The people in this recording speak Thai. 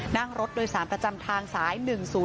นั่งรถโดยสารประจำทางสาย๑๐๔